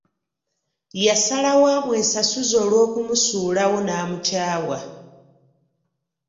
Yasalawo amwesasuze olw'okumusuulawo n'amukyawa.